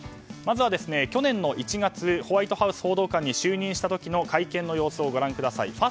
まずは、去年の１月ホワイトハウス報道官に就任した時の会見の様子をご覧ください。